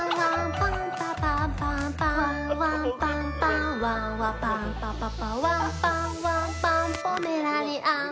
パンパパンパンパパンパンわんわパンパパパわんパンわんパンポメラニアン。